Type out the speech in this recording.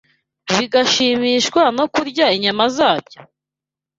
bagashimishwa no kurya inyama zabyo?